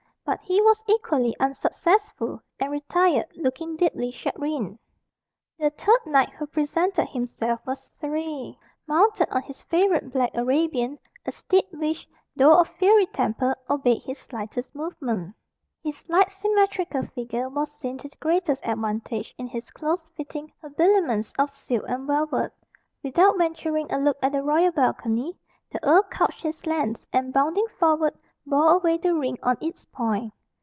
But he was equally unsuccessful, and retired, looking deeply chagrined. The third knight who presented himself was Surrey. Mounted on his favourite black Arabian a steed which, though of fiery temper, obeyed his slightest movement his light symmetrical figure was seen to the greatest advantage in his close fitting habiliments of silk and velvet. Without venturing a look at the royal balcony, the earl couched his lance, and bounding forward, bore away the ring on its point.